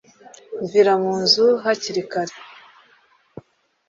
mvira mu nzu haki kare